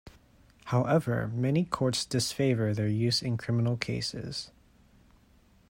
However, many courts disfavour their use in criminal cases.